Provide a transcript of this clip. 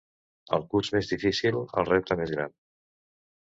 El curs més difícil; el repte més gran.